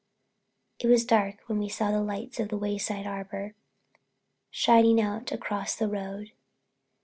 It was dark when we saw the lights of the Wayside Arbor, shining out across the road.